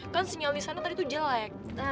kan sinyal di sana tadi tuh jelek